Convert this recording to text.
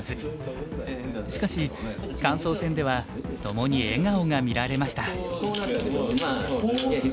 しかし感想戦では共に笑顔が見られました。